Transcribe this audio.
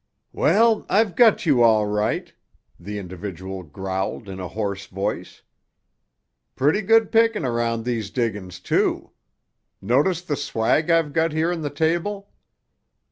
"Well, I've got you, all right!" the individual growled in a hoarse voice. "Pretty good pickin' around these diggin's, too. Notice the swag I've got here on the table?"